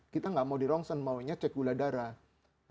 kita nggak mau di rongsen maunya cek gula darah